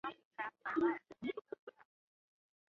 刺儿瓜为葫芦科假贝母属下的一个种。